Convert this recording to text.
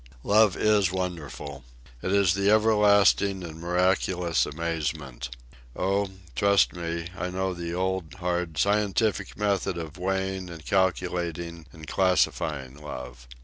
Love is wonderful. It is the everlasting and miraculous amazement. Oh, trust me, I know the old, hard scientific method of weighing and calculating and classifying love.